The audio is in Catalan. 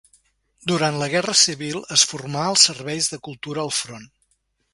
Durant la Guerra civil es formà als Serveis de Cultura al Front.